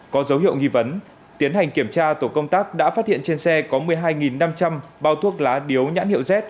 có dấu hiệu nghi vấn tiến hành kiểm tra tổ công tác đã phát hiện trên xe có một mươi hai năm trăm linh bao thuốc lá điếu nhãn hiệu z